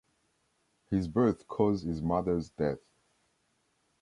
His birth caused his mother’s death.